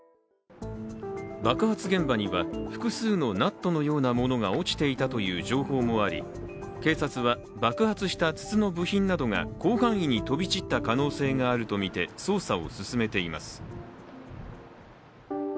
爆発現場には複数のナットのようなものが落ちていたとの情報もあり警察は爆発した筒の部品などが広範囲に飛び散った可能性があるとみて捜査を進めています。